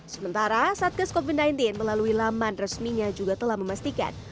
sementara satgas covid sembilan belas melalui laman resminya juga telah memastikan